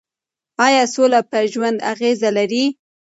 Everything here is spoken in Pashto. ایا سوله په ژوند اغېز لري؟